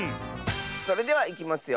それではいきますよ。